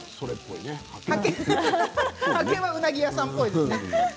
はけはうなぎ屋さんっぽいですよね。